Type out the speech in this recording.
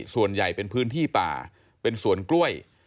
ส่วนใหญ่เป็นพื้นที่ป่าเป็นสวนกล้วย